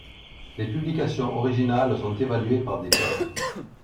Les publications originales sont évaluées par des pairs.